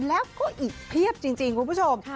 แล้วก็อีกเพียบจริงคุณผู้ชม